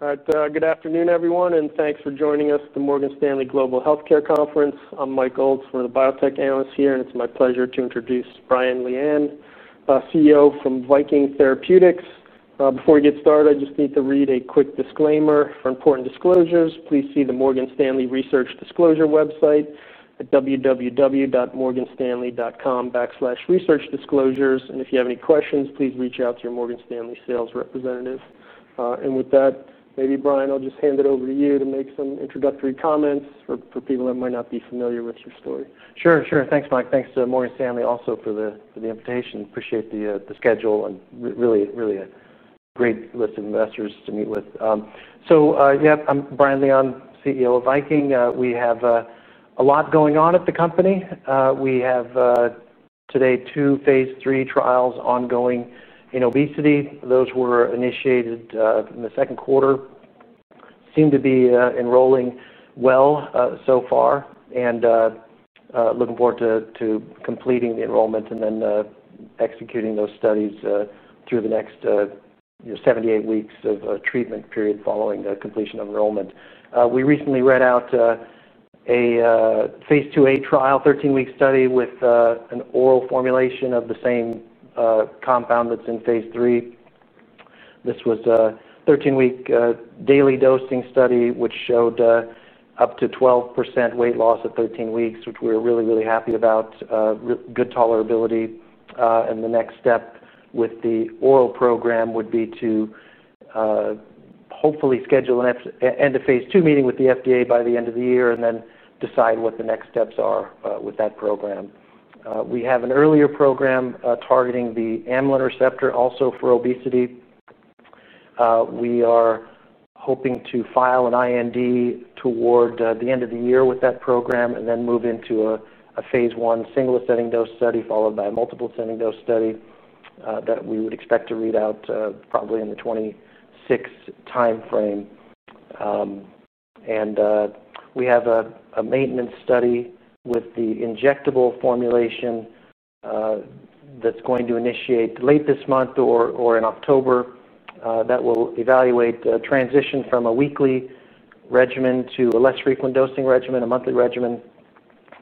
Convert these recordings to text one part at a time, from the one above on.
Good afternoon, everyone, and thanks for joining us at the Morgan Stanley Global Healthcare Conference. I'm Mike Olds. We're the biotech analysts here, and it's my pleasure to introduce Brian Lian, CEO from Viking Therapeutics. Before we get started, I just need to read a quick disclaimer for important disclosures. Please see the Morgan Stanley Research Disclosure website at www.morganstanley.com/researchdisclosures. If you have any questions, please reach out to your Morgan Stanley sales representative. With that, maybe, Brian, I'll just hand it over to you to make some introductory comments for people that might not be familiar with your story. Sure, sure. Thanks, Mike. Thanks to Morgan Stanley also for the invitation. Appreciate the schedule and really, really a great list of investors to meet with. Yeah, I'm Brian Lian, CEO of Viking Therapeutics. We have a lot going on at the company. We have, today, two phase III trials ongoing in obesity. Those were initiated in the second quarter, seem to be enrolling well so far, and looking forward to completing the enrollment and then executing those studies through the next 78 weeks of treatment period following the completion of enrollment. We recently read out a phase IIa trial, a 13-week study with an oral formulation of the same compound that's in phase III. This was a 13-week daily dosing study, which showed up to 12% weight loss at 13 weeks, which we were really, really happy about. Good tolerability. The next step with the oral program would be to hopefully schedule an end-of-phase II meeting with the FDA by the end of the year and then decide what the next steps are with that program. We have an earlier program targeting the amylin receptor, also for obesity. We are hoping to file an IND toward the end of the year with that program and then move into a phase I single-ascending dose study followed by a multiple-ascending dose study that we would expect to read out probably in the 2026 timeframe. We have a maintenance study with the injectable formulation that's going to initiate late this month or in October that will evaluate the transition from a weekly regimen to a less frequent dosing regimen, a monthly regimen,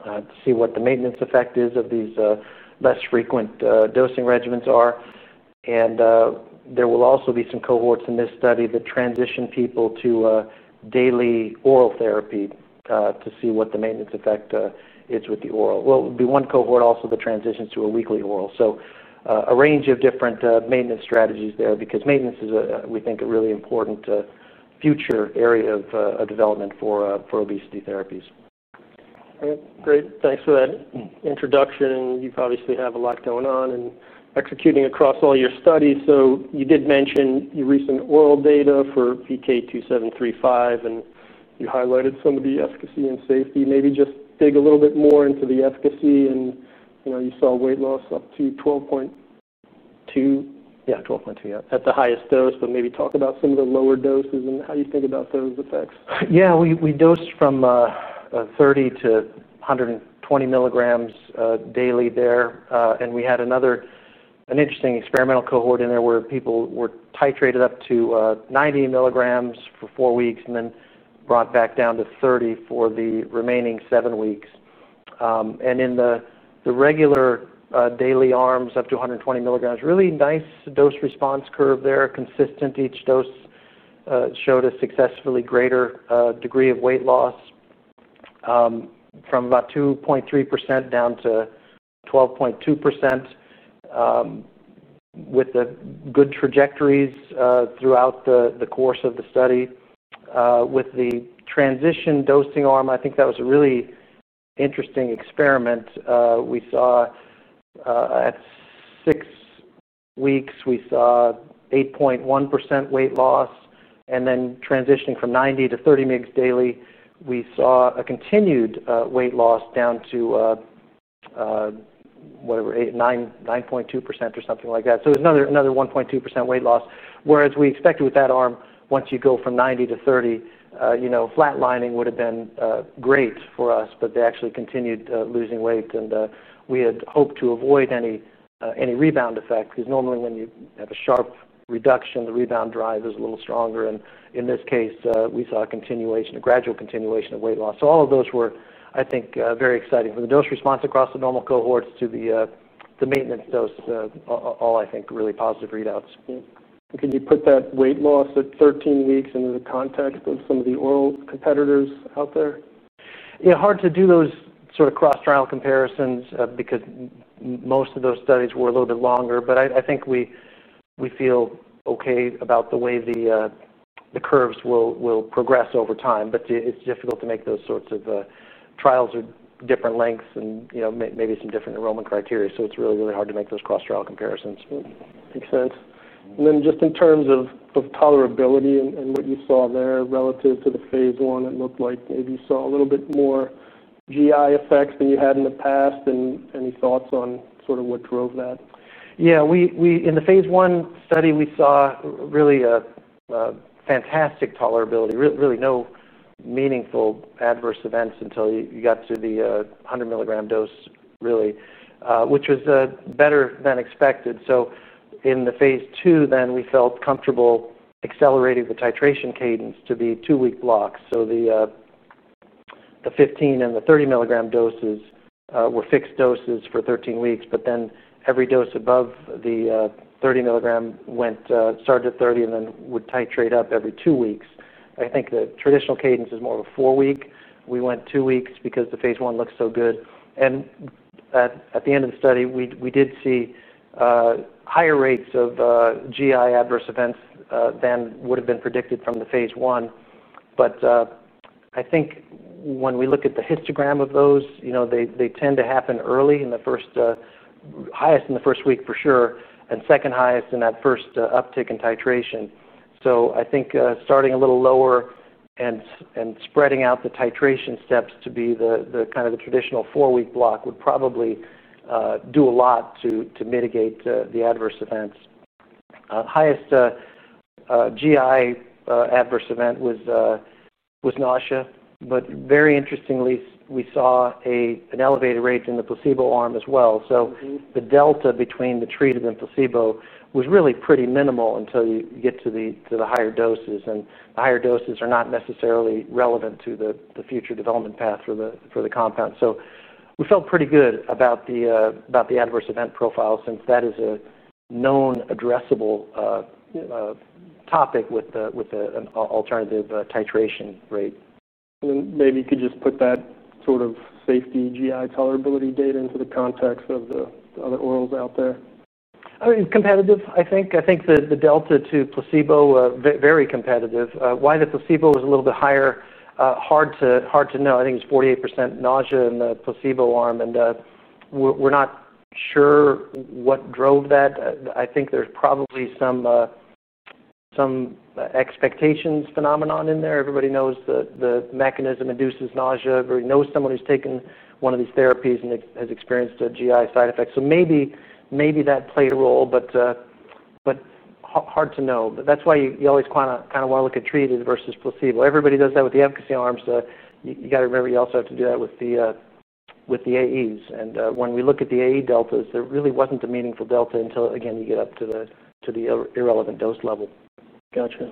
to see what the maintenance effect is of these less frequent dosing regimens. There will also be some cohorts in this study that transition people to daily oral therapy to see what the maintenance effect is with the oral. There will be one cohort also that transitions to a weekly oral. A range of different maintenance strategies there because maintenance is, we think, a really important future area of development for obesity therapies. All right. Great. Thanks for that introduction. You obviously have a lot going on and executing across all your studies. You did mention your recent oral data for VK2735, and you highlighted some of the efficacy and safety. Maybe just dig a little bit more into the efficacy. You saw weight loss up to 12.2%. Yeah, 12.2, yeah. At the highest dose, maybe talk about some of the lower doses and how you think about those effects. Yeah. We dose from 30 to 120 milligrams daily there. We had another interesting experimental cohort in there where people were titrated up to 90 milligrams for four weeks and then brought back down to 30 for the remaining seven weeks. In the regular daily arms up to 120 milligrams, really nice dose response curve there, consistent. Each dose showed a successfully greater degree of weight loss from about 2.3% down to 12.2% with the good trajectories throughout the course of the study. With the transition dosing arm, I think that was a really interesting experiment. We saw at six weeks, we saw 8.1% weight loss. Then transitioning from 90 to 30 milligrams daily, we saw a continued weight loss down to whatever, 9.2% or something like that. It was another 1.2% weight loss. Whereas we expected with that arm, once you go from 90 to 30, you know flatlining would have been great for us, but they actually continued losing weight. We had hoped to avoid any rebound effect because normally when you have a sharp reduction, the rebound drive is a little stronger. In this case, we saw a gradual continuation of weight loss. All of those were, I think, very exciting. From the dose response across the normal cohorts to the maintenance dose, all I think really positive readouts. Can you put that weight loss at 13 weeks into the context of some of the oral competitors out there? Hard to do those sort of cross-trial comparisons because most of those studies were a little bit longer. I think we feel okay about the way the curves will progress over time. It's difficult to make those sorts of trials with different lengths and maybe some different enrollment criteria. It's really, really hard to make those cross-trial comparisons. Makes sense. In terms of tolerability and what you saw there relative to the phase I, it looked like maybe you saw a little bit more GI effects than you had in the past. Any thoughts on what drove that? Yeah. In the phase I study, we saw really a fantastic tolerability, really no meaningful adverse events until you got to the 100 mg dose, which was better than expected. In the phase II, we felt comfortable accelerating the titration cadence to be two-week blocks. The 15 and the 30 mg doses were fixed doses for 13 weeks, but every dose above the 30 mg started at 30 and then would titrate up every two weeks. I think the traditional cadence is more of a four-week. We went two weeks because the phase I looks so good. At the end of the study, we did see higher rates of GI adverse events than would have been predicted from the phase I. I think when we look at the histogram of those, they tend to happen early, highest in the first week for sure and second highest in that first uptick in titration. I think starting a little lower and spreading out the titration steps to be the traditional four-week block would probably do a lot to mitigate the adverse events. The highest GI adverse event was nausea. Very interestingly, we saw an elevated rate in the placebo arm as well. The delta between the treated and placebo was really pretty minimal until you get to the higher doses. The higher doses are not necessarily relevant to the future development path for the compound. We felt pretty good about the adverse event profile since that is a known addressable topic with an alternative titration rate. Could you just put that sort of safety GI tolerability data into the context of the other orals out there? It's competitive, I think. I think the delta to placebo, very competitive. Why the placebo was a little bit higher, hard to know. I think it's 48% nausea in the placebo arm, and we're not sure what drove that. I think there's probably some expectations phenomenon in there. Everybody knows the mechanism induces nausea. Everybody knows someone who's taken one of these therapies and has experienced a GI side effect. Maybe that played a role, but hard to know. That's why you always kind of want to look at treated versus placebo. Everybody does that with the efficacy arms. You got to remember you also have to do that with the AEs. When we look at the AE deltas, there really wasn't a meaningful delta until, again, you get up to the irrelevant dose level. Gotcha.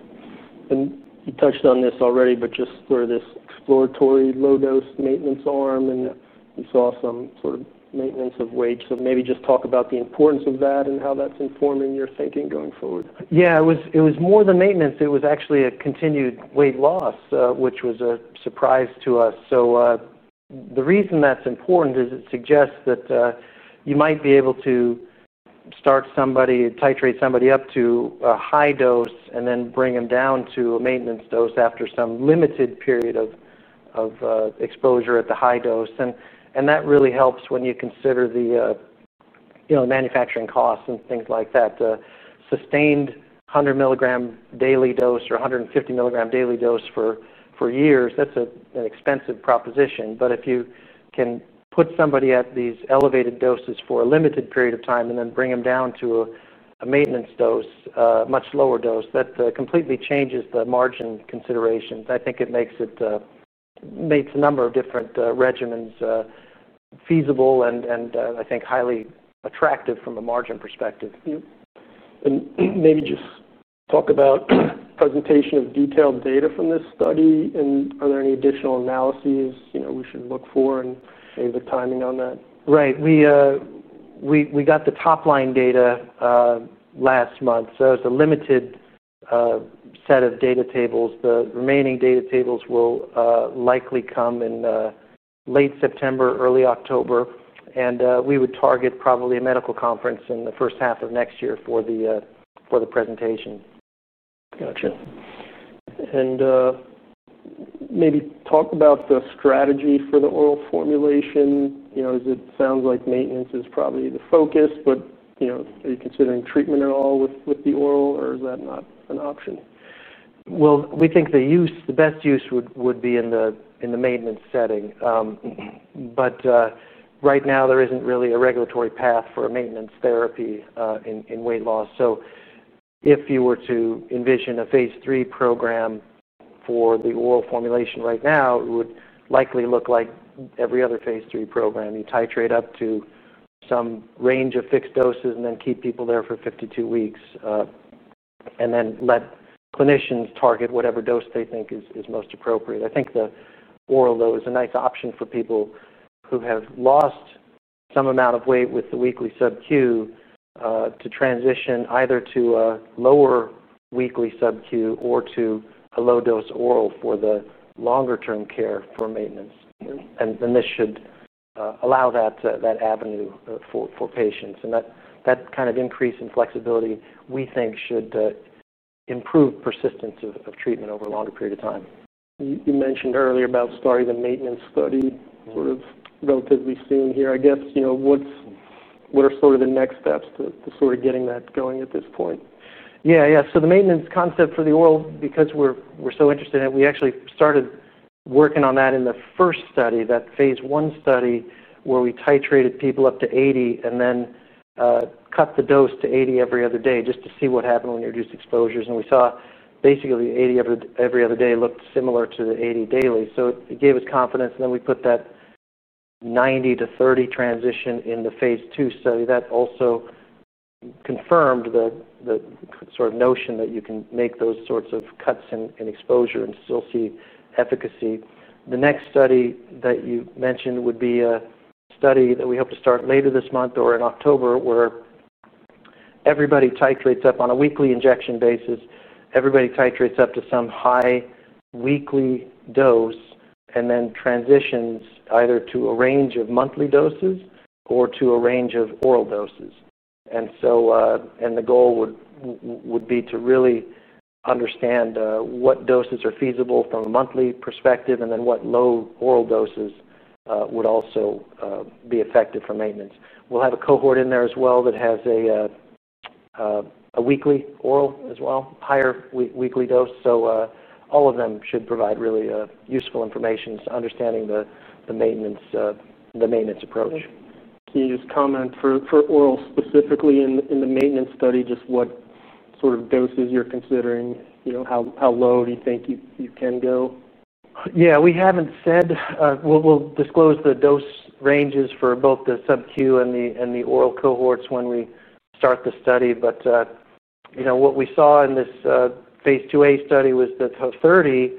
You touched on this already, but just for this exploratory low-dose maintenance arm, you saw some sort of maintenance of weight. Maybe just talk about the importance of that and how that's informing your thinking going forward. Yeah. It was more than maintenance. It was actually a continued weight loss, which was a surprise to us. The reason that's important is it suggests that you might be able to start somebody, titrate somebody up to a high dose, and then bring them down to a maintenance dose after some limited period of exposure at the high dose. That really helps when you consider the manufacturing costs and things like that. A sustained 100 mg daily dose or 150 mg daily dose for years, that's an expensive proposition. If you can put somebody at these elevated doses for a limited period of time and then bring them down to a maintenance dose, a much lower dose, that completely changes the margin considerations. I think it makes a number of different regimens feasible, and I think highly attractive from a margin perspective. Could you talk about the presentation of detailed data from this study? Are there any additional analyses we should look for and maybe the timing on that? Right. We got the top-line data last month. It's a limited set of data tables. The remaining data tables will likely come in late September or early October. We would target probably a medical conference in the first half of next year for the presentation. Gotcha. Maybe talk about the strategy for the oral formulation. It sounds like maintenance is probably the focus, but are you considering treatment at all with the oral, or is that not an option? The best use would be in the maintenance setting. Right now, there isn't really a regulatory path for a maintenance therapy in weight loss. If you were to envision a phase III program for the oral formulation right now, it would likely look like every other phase III program. You titrate up to some range of fixed doses and then keep people there for 52 weeks, and then let clinicians target whatever dose they think is most appropriate. I think the oral, though, is a nice option for people who have lost some amount of weight with the weekly sub-Q to transition either to a lower weekly sub-Q or to a low-dose oral for the longer-term care for maintenance. This should allow that avenue for patients. That kind of increase in flexibility, we think, should improve persistence of treatment over a longer period of time. You mentioned earlier about starting the maintenance study relatively soon here, I guess. What are the next steps to getting that going at this point? Yeah, yeah. The maintenance concept for the oral, because we're so interested in it, we actually started working on that in the first study, that phase I study where we titrated people up to 80 and then cut the dose to 80 every other day just to see what happened when you reduce exposures. We saw basically 80 every other day looked similar to the 80 daily. It gave us confidence. We put that 90 to 30 transition in the phase II study. That also confirmed the sort of notion that you can make those sorts of cuts in exposure and still see efficacy. The next study that you mentioned would be a study that we hope to start later this month or in October where everybody titrates up on a weekly injection basis. Everybody titrates up to some high weekly dose and then transitions either to a range of monthly doses or to a range of oral doses. The goal would be to really understand what doses are feasible from a monthly perspective and then what low oral doses would also be effective for maintenance. We'll have a cohort in there as well that has a weekly oral as well, higher weekly dose. All of them should provide really useful information to understanding the maintenance approach. Can you just comment for oral specifically in the maintenance study, just what sort of doses you're considering? You know, how low do you think you can go? Yeah. We haven't said we'll disclose the dose ranges for both the sub-Q and the oral cohorts when we start the study. What we saw in this phase IIa study was that 30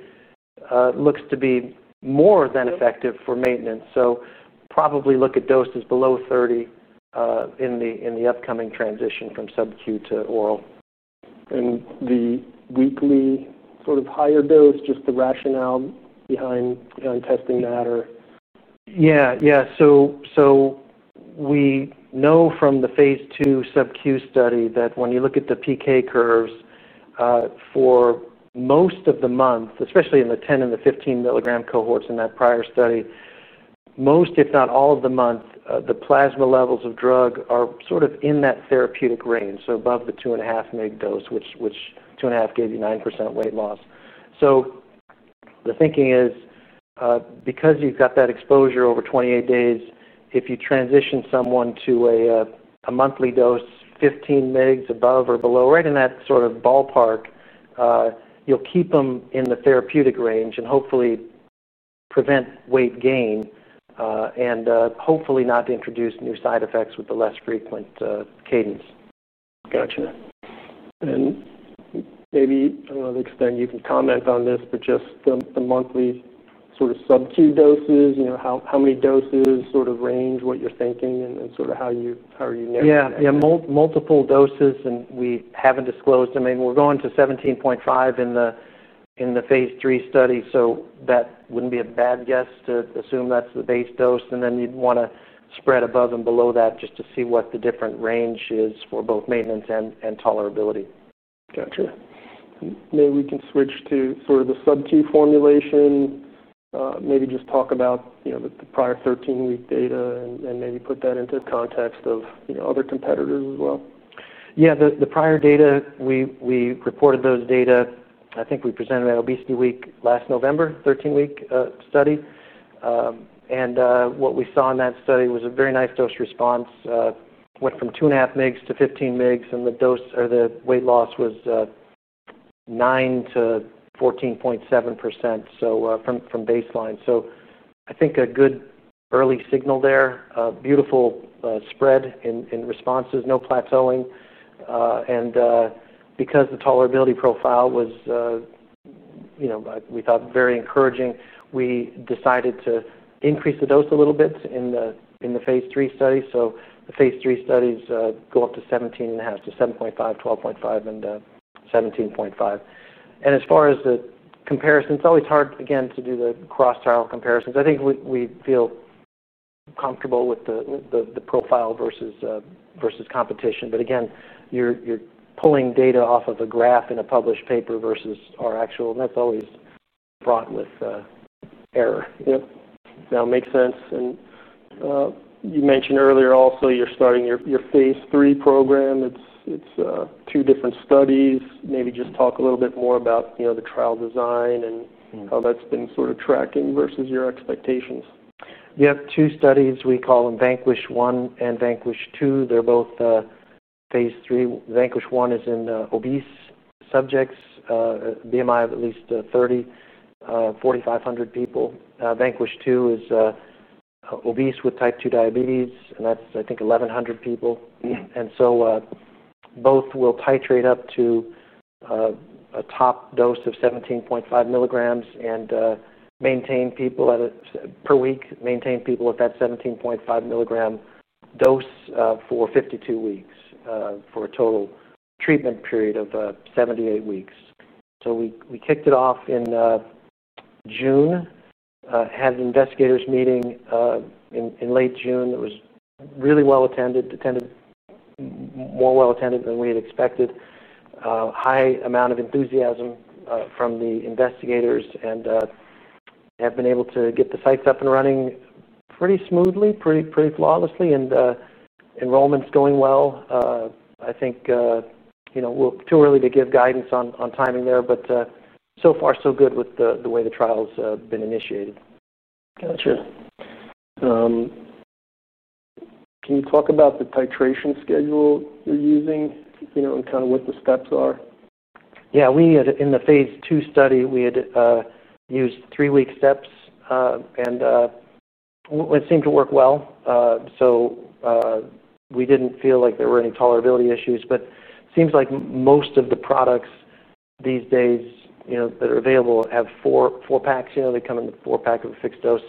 looks to be more than effective for maintenance. Probably look at doses below 30 in the upcoming transition from sub-Q to oral. The weekly sort of higher dose, just the rationale behind testing that? Yeah, yeah. We know from the phase II sub-Q study that when you look at the PK curves for most of the month, especially in the 10 and the 15 mg cohorts in that prior study, most, if not all, of the month, the plasma levels of drug are sort of in that therapeutic range. Above the 2.5 mg dose, which 2.5 gave you 9% weight loss, the thinking is because you've got that exposure over 28 days, if you transition someone to a monthly dose, 15 mg above or below, right in that sort of ballpark, you'll keep them in the therapeutic range and hopefully prevent weight gain and hopefully not introduce new side effects with the less frequent cadence. Gotcha. Maybe, I don't know if Stijn, you can comment on this, but just the monthly sort of sub-Q doses, you know how many doses sort of range what you're thinking, and how are you narrating that? Yeah, yeah. Multiple doses, and we haven't disclosed them. I mean, we're going to 17.5 in the phase III study. That wouldn't be a bad guess to assume that's the base dose. You'd want to spread above and below that just to see what the different range is for both maintenance and tolerability. Gotcha. Maybe we can switch to sort of the sub-Q formulation. Maybe just talk about the prior 13-week data and put that into the context of other competitors as well. Yeah. The prior data, we reported those data. I think we presented that at Obesity Week last November, 13-week study. What we saw in that study was a very nice dose response. Went from 2.5 mg to 15 mg, and the weight loss was 9% to 14.7%, so from baseline. I think a good early signal there, beautiful spread in responses, no plateauing. Because the tolerability profile was, you know, we thought, very encouraging, we decided to increase the dose a little bit in the phase III study. The phase III studies go up to 17.5, to 7.5, 12.5, and 17.5. As far as the comparison, it's always hard, again, to do the cross-trial comparisons. I think we feel comfortable with the profile versus competition. Again, you're pulling data off of a graph in a published paper versus our actual, and that's always fraught with error. Yeah, no, it makes sense. You mentioned earlier also you're starting your phase III program. It's two different studies. Maybe just talk a little bit more about the trial design and how that's been sort of tracking versus your expectations. Yeah. Two studies. We call them Vanquish 1 and Vanquish 2. They're both the phase III. Vanquish 1 is in obese subjects, BMI of at least 30, 4,500 people. Vanquish 2 is obese with type 2 diabetes, and that's, I think, 1,100 people. Both will titrate up to a top dose of 17.5 milligrams and maintain people at a per week, maintain people at that 17.5 milligram dose for 52 weeks for a total treatment period of 78 weeks. We kicked it off in June, had an investigators' meeting in late June. It was really well attended, more well attended than we had expected. High amount of enthusiasm from the investigators. Have been able to get the sites up and running pretty smoothly, pretty flawlessly. Enrollment's going well. I think we're too early to give guidance on timing there, but so far, so good with the way the trial's been initiated. Gotcha. Can you talk about the titration schedule you're using and kind of what the steps are? We had, in the phase II study, used three-week steps, and it seemed to work well. We didn't feel like there were any tolerability issues. It seems like most of the products these days that are available have four packs. They come in the four-pack of a fixed dose.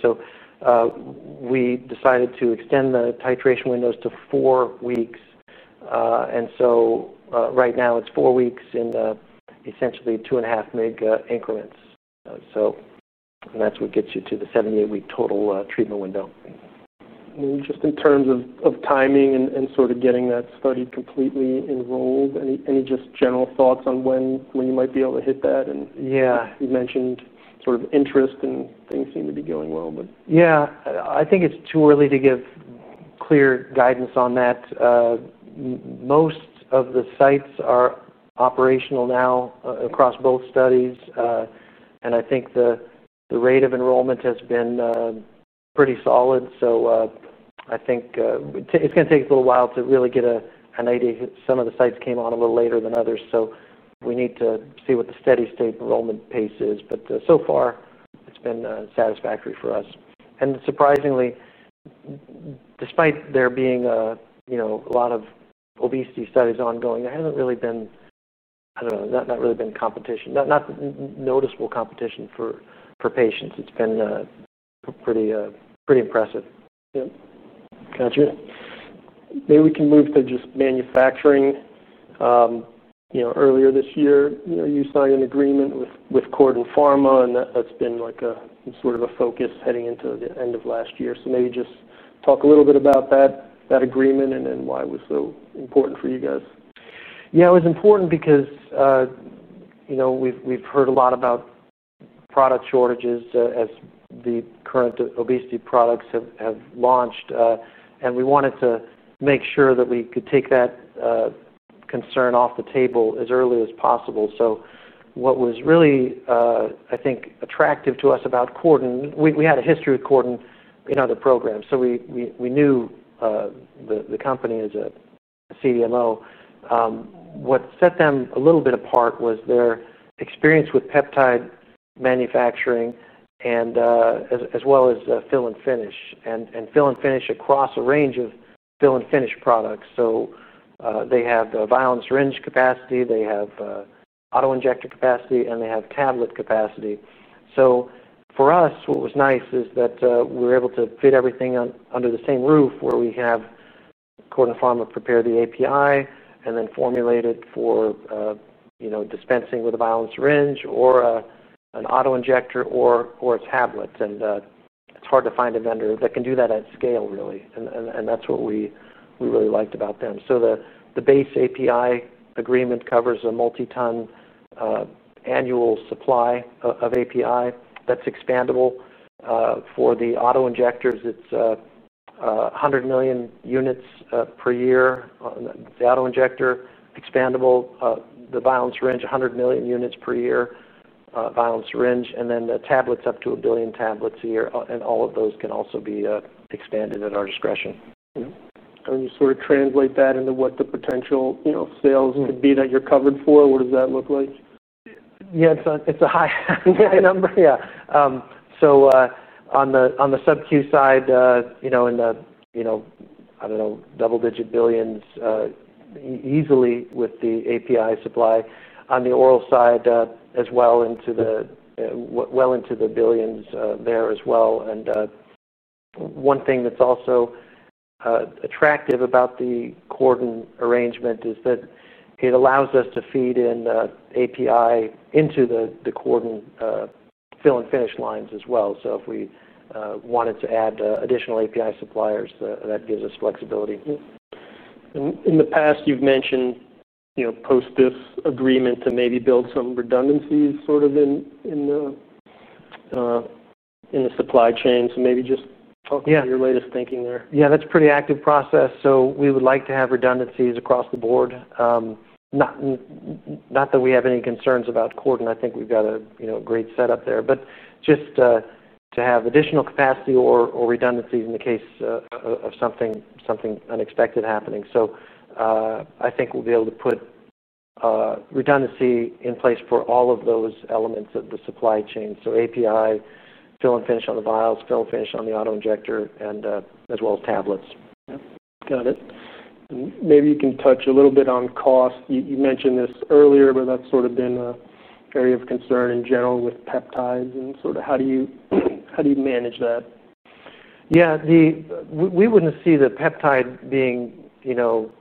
We decided to extend the titration windows to four weeks. Right now, it's four weeks in essentially 2.5 mg increments, and that's what gets you to the 78-week total treatment window. In terms of timing and sort of getting that study completely enrolled, any general thoughts on when you might be able to hit that? You mentioned sort of interest and things seem to be going well. Yeah. I think it's too early to give clear guidance on that. Most of the sites are operational now across both studies, and I think the rate of enrollment has been pretty solid. I think it's going to take a little while to really get an idea. Some of the sites came on a little later than others. We need to see what the steady state enrollment pace is. So far, it's been satisfactory for us. Surprisingly, despite there being a lot of obesity studies ongoing, there hasn't really been, I don't know, not really been competition, not noticeable competition for patients. It's been pretty impressive. Yeah. Gotcha. Maybe we can move to just manufacturing. Earlier this year, you signed an agreement with Corden Pharma, and that's been like a sort of a focus heading into the end of last year. Maybe just talk a little bit about that agreement and why it was so important for you guys. Yeah. It was important because you know we've heard a lot about product shortages as the current obesity products have launched. We wanted to make sure that we could take that concern off the table as early as possible. What was really, I think, attractive to us about Corden Pharma, we had a history with Corden in other programs. We knew the company as a CDMO. What set them a little bit apart was their experience with peptide manufacturing as well as fill and finish. Fill and finish across a range of fill and finish products. They have the vial and syringe capacity. They have autoinjector capacity, and they have tablet capacity. For us, what was nice is that we were able to fit everything under the same roof where we have Corden Pharma prepare the API and then formulate it for, you know, dispensing with a vial and syringe or an autoinjector or a tablet. It's hard to find a vendor that can do that at scale, really. That's what we really liked about them. The base API agreement covers a multi-ton annual supply of API that's expandable. For the autoinjectors, it's 100 million units per year. The autoinjector expandable, the vial and syringe, 100 million units per year, vial and syringe. The tablets, up to a billion tablets a year. All of those can also be expanded at our discretion. Could you translate that into what the potential sales could be that you're covered for? What does that look like? Yeah. It's a high number. Yeah. On the sub-Q side, in the, I don't know, double-digit billions, easily with the API supply. On the oral side, as well, well into the billions there as well. One thing that's also attractive about the Corden Pharma arrangement is that it allows us to feed in API into the Corden Pharma fill and finish lines as well. If we wanted to add additional API suppliers, that gives us flexibility. In the past, you've mentioned a post-BIF agreement to maybe build some redundancies in the supply chain. Maybe just talk about your latest thinking there. Yeah. That's a pretty active process. We would like to have redundancies across the board. Not that we have any concerns about Corden Pharma. I think we've got a great setup there, just to have additional capacity or redundancies in the case of something unexpected happening. I think we'll be able to put redundancy in place for all of those elements of the supply chain: API, fill and finish on the vials, fill and finish on the autoinjector, as well as tablets. Got it. Maybe you can touch a little bit on cost. You mentioned this earlier, but that's sort of been an area of concern in general with peptides. How do you manage that? Yeah. We wouldn't see the peptide being, you know,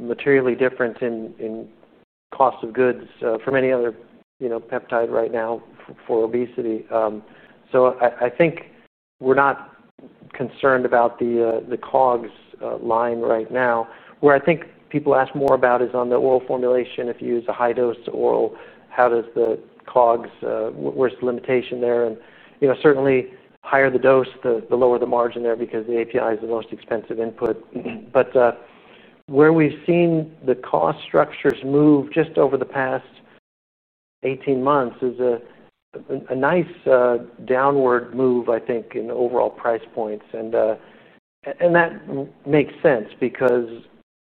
materially different in cost of goods from any other, you know, peptide right now for obesity. I think we're not concerned about the COGS line right now. Where I think people ask more about is on the oral formulation. If you use a high dose to oral, how does the COGS, where's the limitation there? Certainly, higher the dose, the lower the margin there because the API is the most expensive input. Where we've seen the cost structures move just over the past 18 months is a nice downward move, I think, in overall price points. That makes sense because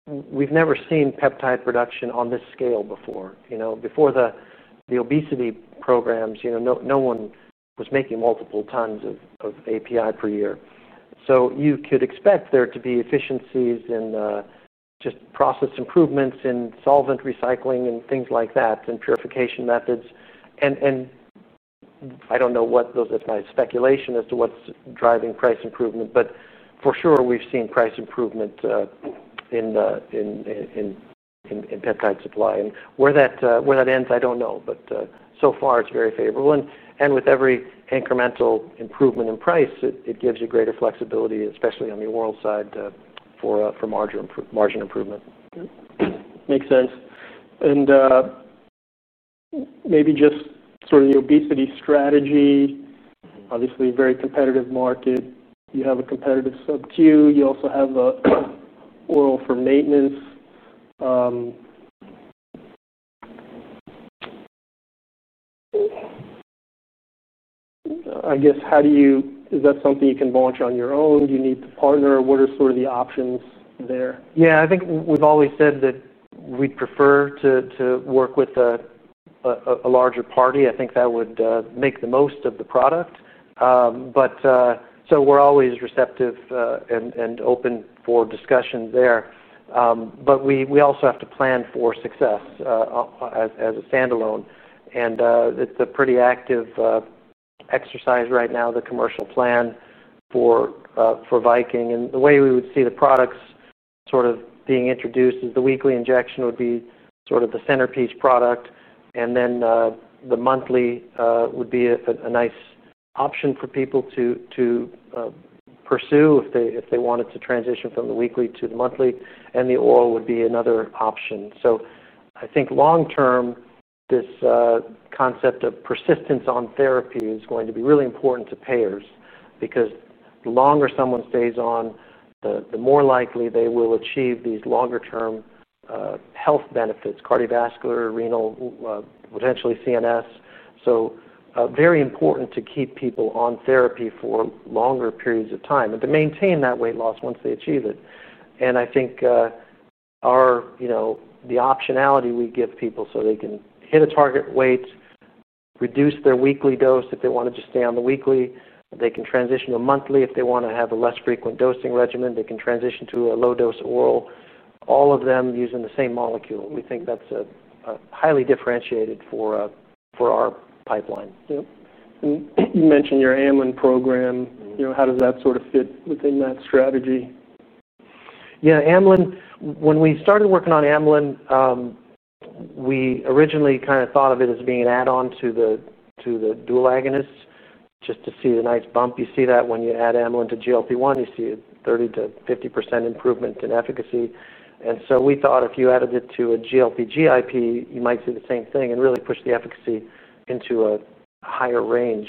we've never seen peptide production on this scale before. Before the obesity programs, no one was making multiple tons of API per year. You could expect there to be efficiencies in just process improvements in solvent recycling and things like that and purification methods. I don't know what those, that's my speculation as to what's driving price improvement. For sure, we've seen price improvement in peptide supply. Where that ends, I don't know. So far, it's very favorable. With every incremental improvement in price, it gives you greater flexibility, especially on the oral side, for margin improvement. Makes sense. Maybe just sort of the obesity strategy, obviously a very competitive market. You have a competitive sub-Q. You also have the oral for maintenance. I guess, how do you, is that something you can launch on your own? Do you need to partner? What are sort of the options there? Yeah. I think we've always said that we'd prefer to work with a larger party. I think that would make the most of the product. We're always receptive and open for discussion there. We also have to plan for success as a standalone. It's a pretty active exercise right now, the commercial plan for Viking Therapeutics. The way we would see the products being introduced is the weekly injection would be the centerpiece product. The monthly would be a nice option for people to pursue if they wanted to transition from the weekly to the monthly. The oral would be another option. I think long-term, this concept of persistence on therapy is going to be really important to payers because the longer someone stays on, the more likely they will achieve these longer-term health benefits, cardiovascular, renal, potentially CNS. It's very important to keep people on therapy for longer periods of time and to maintain that weight loss once they achieve it. I think the optionality we give people so they can hit a target weight, reduce their weekly dose if they want to just stay on the weekly, they can transition to monthly if they want to have a less frequent dosing regimen, they can transition to a low-dose oral, all of them using the same molecule. We think that's highly differentiated for our pipeline. Yes. You mentioned your amylin receptor agonist program. How does that sort of fit within that strategy? Yeah. When we started working on amylin, we originally kind of thought of it as being an add-on to the dual agonists just to see the nice bump. You see that when you add amylin to GLP-1. You see a 30% to 50% improvement in efficacy. We thought if you added it to a GLP-GIP, you might see the same thing and really push the efficacy into a higher range.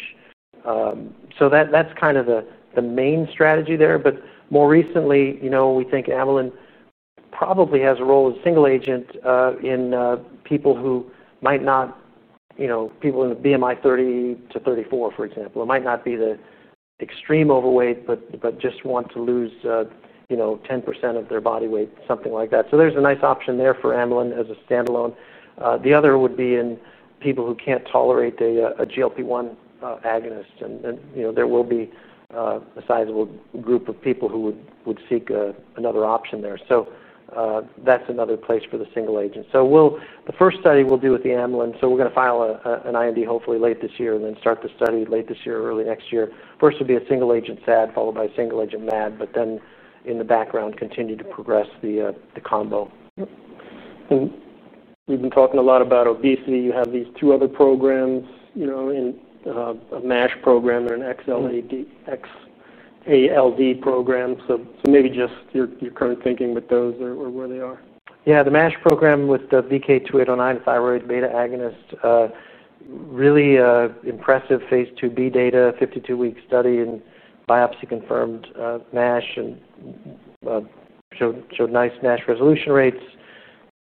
That is kind of the main strategy there. More recently, we think amylin probably has a role as a single agent in people who might not, you know, people in a BMI 30 to 34, for example, who might not be the extreme overweight but just want to lose, you know, 10% of their body weight, something like that. There is a nice option there for amylin as a standalone. The other would be in people who can't tolerate a GLP-1 agonist. There will be a sizable group of people who would seek another option there. That is another place for the single agent. The first study we'll do with the amylin, we're going to file an IND hopefully late this year and then start the study late this year, early next year. First, it'll be a single agent SAD followed by a single agent MAD, but then in the background, continue to progress the combo. Yeah. You've been talking a lot about obesity. You have these two other programs, you know, in a NASH program and an X-ALD program. Maybe just your current thinking with those or where they are. Yeah. The NASH program with the VK2809, a THYROID beta agonist, really impressive phase IIb data, 52-week study, and biopsy-confirmed NASH, and showed nice NASH resolution rates,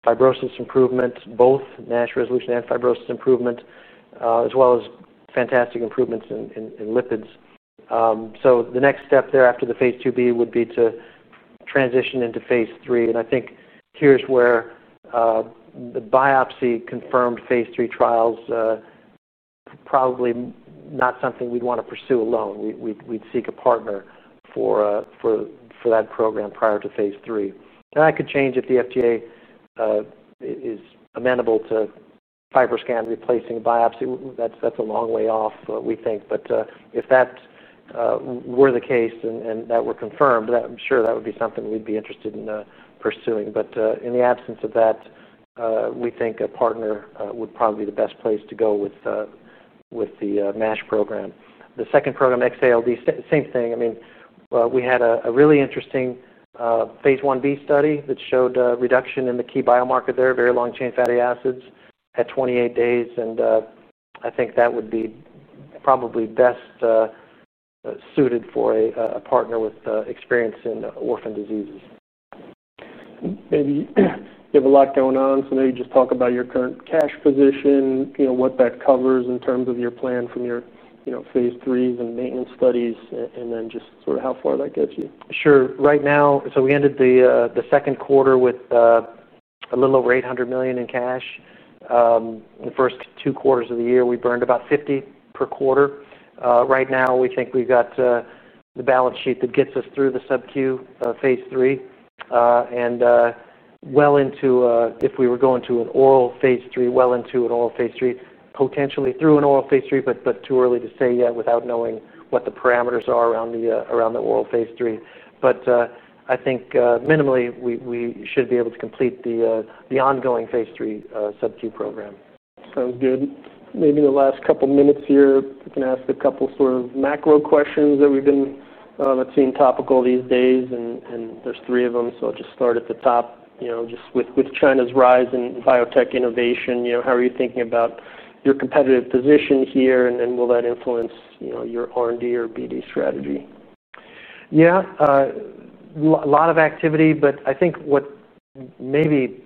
fibrosis improvement, both NASH resolution and fibrosis improvement, as well as fantastic improvements in lipids. The next step there after the phase IIb would be to transition into phase III. I think here's where the biopsy-confirmed phase III trials are probably not something we'd want to pursue alone. We'd seek a partner for that program prior to phase III. That could change if the FDA is amenable to FibroScan replacing the biopsy. That's a long way off, we think. If that were the case and that were confirmed, I'm sure that would be something we'd be interested in pursuing. In the absence of that, we think a partner would probably be the best place to go with the NASH program. The second program, X-ALD, same thing. I mean, we had a really interesting phase Ib study that showed a reduction in the key biomarker there, very long-chain fatty acids at 28 days. I think that would be probably best suited for a partner with experience in orphan diseases. You have a lot going on. Maybe just talk about your current cash position, what that covers in terms of your plan from your phase IIIs and maintenance studies, and then just sort of how far that gets you. Sure. Right now, we ended the second quarter with a little over $800 million in cash. The first two quarters of the year, we burned about $50 million per quarter. Right now, we think we've got the balance sheet that gets us through the sub-Q phase III and well into, if we were going to an oral phase III, well into an oral phase III, potentially through an oral phase III. It's too early to say yet without knowing what the parameters are around the oral phase III. I think minimally, we should be able to complete the ongoing phase III sub-Q program. Sounds good. Maybe in the last couple of minutes here, we can ask a couple of sort of macro questions that we've been seeing topical these days. There are three of them. I'll just start at the top, just with China's rise in biotech innovation. How are you thinking about your competitive position here? Will that influence your R&D or BD strategy? Yeah. A lot of activity. I think what maybe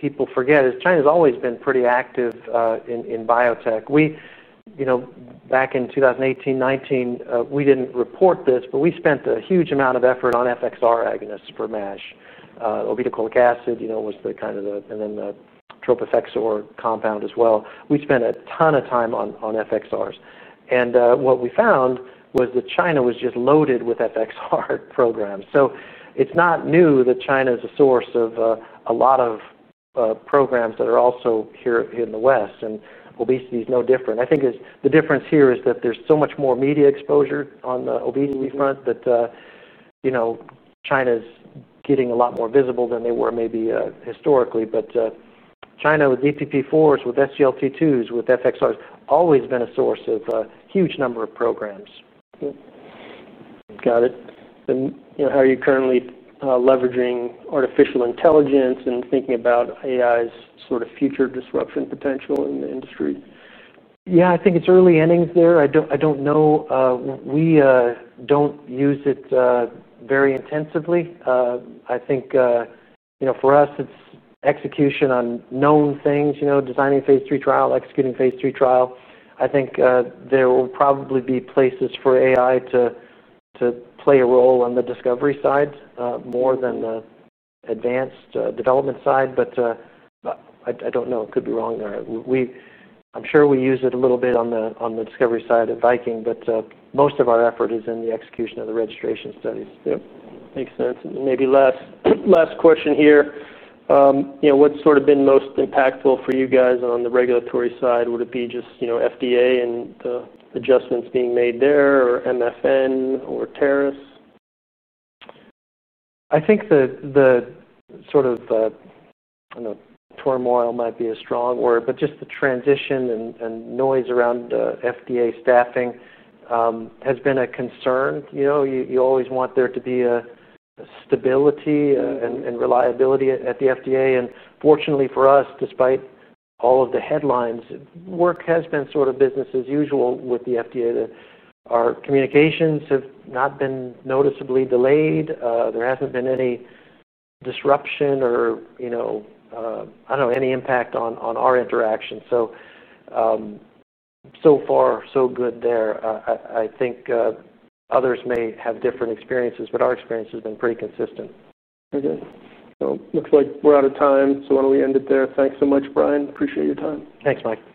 people forget is China's always been pretty active in biotech. Back in 2018, 2019, we didn't report this, but we spent a huge amount of effort on FXR agonists for NASH. The obeticholic acid was the kind of the, and then the tropifexor compound as well. We spent a ton of time on FXRs. What we found was that China was just loaded with FXR programs. It's not new that China is a source of a lot of programs that are also here in the West. Obesity is no different. I think the difference here is that there's so much more media exposure on the obesity front that China's getting a lot more visible than they were maybe historically. China with DPP4s, with SGLT2s, with FXRs has always been a source of a huge number of programs. Got it. You know, how are you currently leveraging artificial intelligence and thinking about AI's sort of future disruption potential in the industry? Yeah. I think it's early innings there. I don't know. We don't use it very intensively. I think, you know, for us, it's execution on known things, you know, designing phase III trial, executing phase III trial. I think there will probably be places for AI to play a role on the discovery side more than the advanced development side. I could be wrong there. I'm sure we use it a little bit on the discovery side of Viking Therapeutics, but most of our effort is in the execution of the registration studies. Makes sense. Maybe last question here. What's sort of been most impactful for you guys on the regulatory side? Would it be just, you know, FDA and the adjustments being made there, or MFN, or tariffs? I think the sort of, I don't know, turmoil might be a strong word, but just the transition and noise around FDA staffing has been a concern. You always want there to be a stability and reliability at the FDA. Fortunately for us, despite all of the headlines, work has been sort of business as usual with the FDA. Our communications have not been noticeably delayed. There hasn't been any disruption or, I don't know, any impact on our interaction. So far, so good there. I think others may have different experiences, but our experience has been pretty consistent. Okay. It looks like we're out of time, so why don't we end it there? Thanks so much, Brian. Appreciate your time. Thanks, Mike.